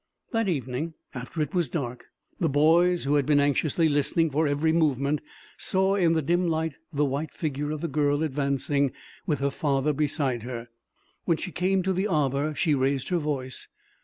That evening after it was dark the boys, who had been anxiously listening for every movement, saw in the dim light the white figure of the girl advancing, with her father beside her. When she came to the arbor, she raised her voice.